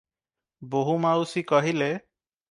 ବୋହୂମାଉସୀ କହିଲେ --